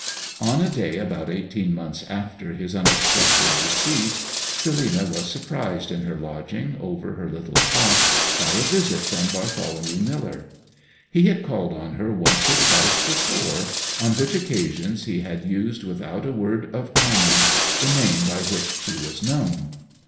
On a day about eighteen months after his unexpected decease, Selina was surprised in her lodging over her little shop by a visit from Bartholomew Miller. He had called on her once or twice before, on which occasions he had used without a word of comment the name by which she was known.